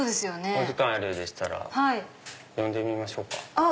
お時間あるようでしたら呼んでみましょうか。